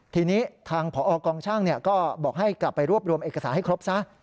ทีนี้ทางพอกองช่างก็บอกให้กลับไปรวบรวมเอกสารให้ครบซะ